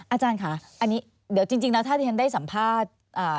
อาจารย์ค่ะอันนี้เดี๋ยวจริงแล้วถ้าที่ฉันได้สัมภาษณ์